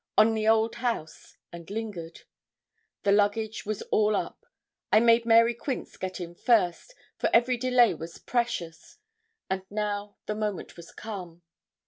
on the old house, and lingered. The luggage was all up. I made Mary Quince get in first, for every delay was precious; and now the moment was come.